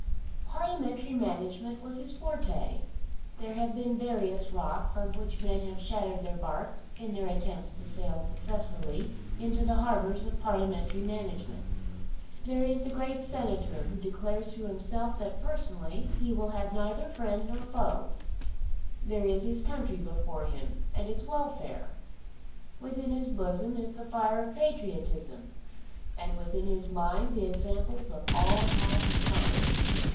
Parliamentary management was his forte. There have been various rocks on which men have shattered their barks in their attempts to sail successfully into the harbours of parliamentary management. There is the great Senator who declares to himself that personally he will have neither friend nor foe. There is his country before him and its welfare. Within his bosom is the fire of patriotism, and within his mind the examples of all past time.